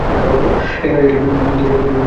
এখানে যা আছে যুদ্ধের সমাপ্তি ঘোষণা করার জন্য যথেষ্ট।